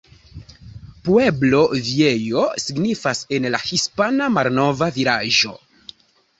Pueblo Viejo signifas en la hispana "Malnova vilaĝo".